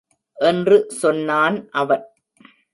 என்று சொன்னான் அவன்.